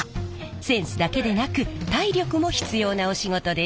センスだけでなく体力も必要なお仕事です。